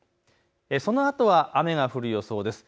そのあとは雨が降る予想です。